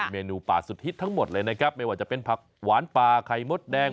เมนูป่าสุดฮิตทั้งหมดเลยนะครับไม่ว่าจะเป็นผักหวานป่าไข่มดแดง